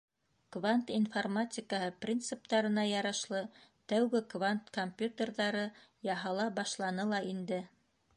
Квант информатикаһы принциптарына ярашлы тәүге квант компьютерҙары яһала башланы ла инде.